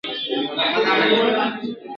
پتنګه وایه ته څشي غواړې !.